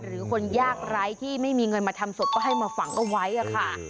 หรือคนยากไร้ที่ไม่มีเงินมาทำศพก็ให้มาฝังเอาไว้ค่ะ